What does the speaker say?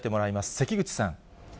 関口さん。